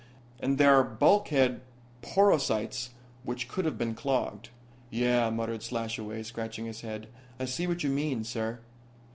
And there are bulkhead porosities which could have clogged." "Yeah," muttered Slashaway, scratching his head. "I see what you mean, sir."